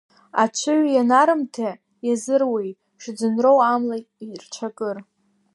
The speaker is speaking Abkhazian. Аҽыҩ ианарымҭа, иазыруеи, шӡынроу амла ирцәакыр.